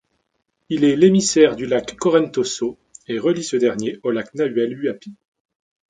Il est l'émissaire du lac Correntoso et relie ce dernier au lac Nahuel Huapi.